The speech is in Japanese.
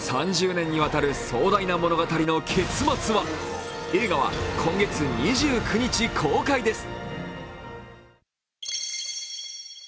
３０年にわたる壮大な物語の結末は映画は今月２９日公開です。